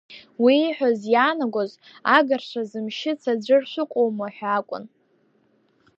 Уи ииҳәаз иаангоз, агырцәа зымшьыц аӡәыр шәыҟоума ҳәа акәын…